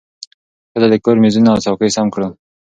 ښځه د کور مېزونه او څوکۍ سم کړل